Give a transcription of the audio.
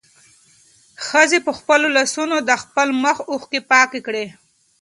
ښځې په خپلو لاسو د خپل مخ اوښکې پاکې کړې.